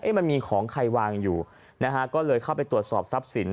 มันมีของใครวางอยู่นะฮะก็เลยเข้าไปตรวจสอบทรัพย์สิน